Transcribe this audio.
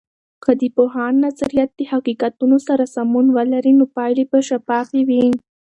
که د پوهاند نظریات د حقیقتونو سره سمون ولري، نو پایلې به شفافې وي.